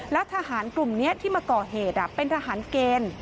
แล้วทหารกลุ่มนี้ที่มาก่อเหตุเป็นทหารเกณฑ์